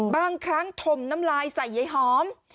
บางครั้งถมน้ำลายใส่ยายหอม